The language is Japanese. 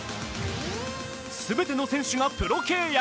全ての選手がプロ契約。